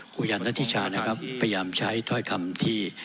คุณยานนัทธิชานะครับพยายามใช้ปร้อยธรรมที่